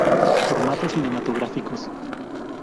Formatos cinematográficos